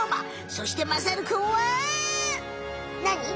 そしてまさるくんはなに？